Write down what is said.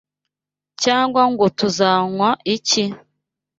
cyangwa ngo Tuzanywa iki?